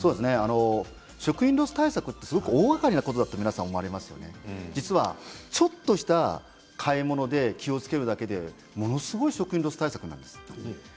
食品ロス対策は大がかりなことだと皆さん思っていると思いますが実はちょっとした買い物で気をつけるだけでものすごい食品ロス対策になります。